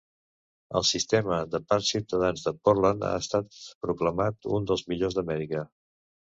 El sistema de parcs ciutadans de Portland ha estat proclamat un dels millors d'Amèrica.